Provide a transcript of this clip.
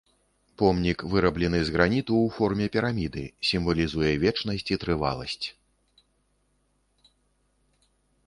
Помнік выраблены з граніту ў форме піраміды, сімвалізуе вечнасць і трываласць.